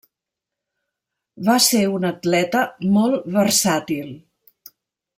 Va ser un atleta molt versàtil.